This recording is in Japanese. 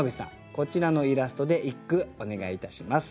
こちらのイラストで一句お願いいたします。